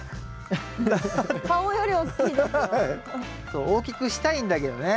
そう大きくしたいんだけどね。